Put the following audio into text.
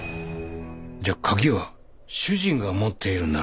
じゃあ鍵は主人が持っているんだな？